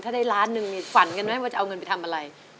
ถ้าได้ล้านหนึ่งนี่ฝันกันไหมว่าจะเอาเงินไปทำอะไร